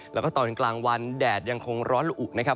แล้วก็ตอนกลางวันแดดยังคงร้อนละอุนะครับ